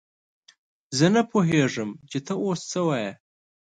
زه نه پوهېږم چې ته اوس څه وايې!